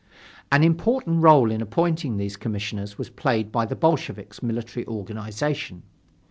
An important role in appointing these Commissioners was played by the Bolsheviks' military organization.